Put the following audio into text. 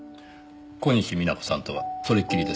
小西皆子さんとはそれっきりですか？